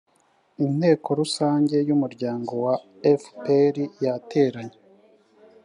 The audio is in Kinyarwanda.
inteko rusange yumuryango wa fpr yateranye